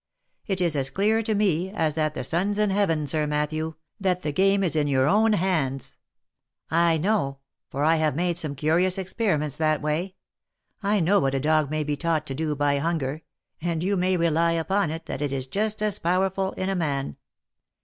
It is as clear to me, as that the sun's in heaven, Sir Matthew, that the game is in your own hands. I know — for I have made some curious experiments that way — I know what a dog may be taught to do by hunger, and you may rely upon it that it is just as powerful in a man.